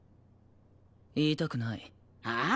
言いたくない。はあ！？